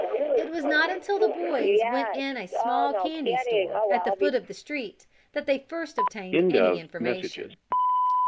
It was not until the boys went in a small candy store, at the foot of the street, that they first obtained any information.